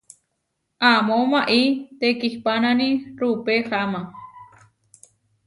Amó maʼí tekihpánani rupeháma.